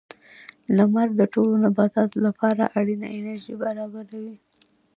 • لمر د ټولو نباتاتو لپاره اړینه انرژي برابروي.